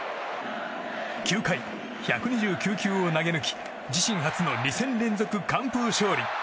９回、１２９球を投げ抜き自身初の２戦連続完封勝利。